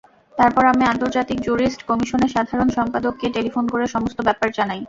তারপর আমি আন্তর্জাতিক জুরিস্ট কমিশনের সাধারণ সম্পাদককে টেলিফোন করে সমস্ত ব্যাপার জানাই।